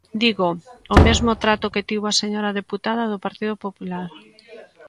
Digo: o mesmo trato que tivo a señora deputada do Partido Popular.